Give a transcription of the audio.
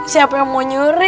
siapa yang mau nyuri